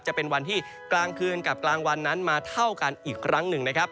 จะเป็นวันที่กลางคืนกับกลางวันนั้นมาเท่ากันอีกครั้งหนึ่งนะครับ